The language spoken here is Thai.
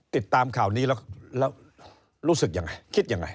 ติดตามข่าวนี้แล้วแล้วรู้สึกอย่างไรคิดอย่างไร